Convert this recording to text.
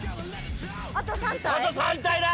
あと３体だ！